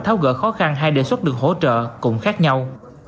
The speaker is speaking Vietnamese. tháo gỡ khó khăn hai đề xuất được hỗ trợ cũng khác nhau